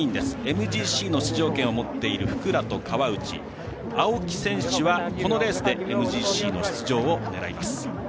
ＭＧＣの出場権を持っている福良と川内青木選手はこのレースでＭＧＣの出場を狙います。